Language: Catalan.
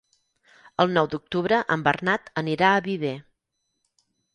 El nou d'octubre en Bernat anirà a Viver.